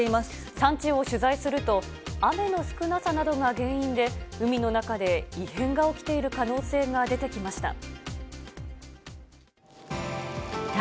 産地を取材すると、雨の少なさなどが原因で、海の中で異変が起きている可能性が出てきました。